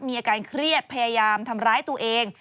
มีอาการเครียดพยายามทำร้ายตัวเอง